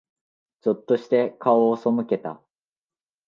ぞっとして、顔を背けた。